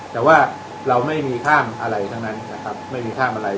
แต่ว่าเราไม่มีข้ามอะไรทั้งนั้นนะครับไม่มีข้ามอะไร